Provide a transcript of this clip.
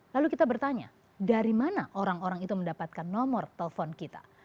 lalu kita bertanya dari mana orang orang itu mendapatkan nomor telepon kita